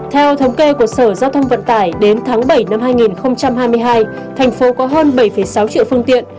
theo thống kê của sở giao thông vận tải đến tháng bảy năm hai nghìn hai mươi hai thành phố có hơn bảy sáu triệu phương tiện